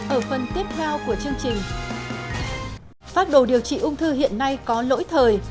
ở phần tiếp theo của chương trình phát đồ điều trị ung thư hiện nay có lỗi thời